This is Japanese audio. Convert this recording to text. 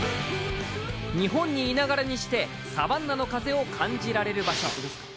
日本にいながらにしてサバンナの風を感じられる場所